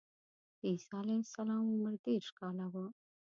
د عیسی علیه السلام عمر دېرش کاله و.